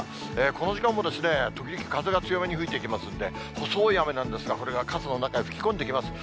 この時間も、時々風が強めに吹いてきますんで、細い雨なんですが、これが傘の中に吹き込んできます。